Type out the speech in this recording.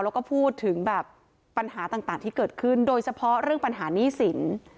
แล้วก็พูดถึงแบบปัญหาต่างที่เกิดขึ้นโดยเฉพาะเรื่องปัญหาหนี้สิน